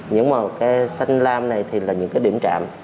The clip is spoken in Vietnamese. những màu xanh lam này thì là những điểm trạm